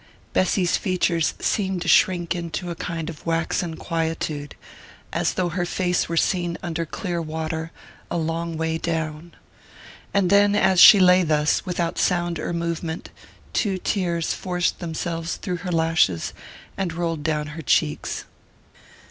Bessy's features seemed to shrink into a kind of waxen quietude as though her face were seen under clear water, a long way down. And then, as she lay thus, without sound or movement, two tears forced themselves through her lashes and rolled down her cheeks.